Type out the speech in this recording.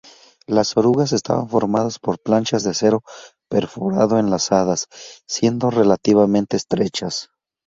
Las orugas estaban formadas por planchas de acero perforado enlazadas, siendo relativamente estrechas.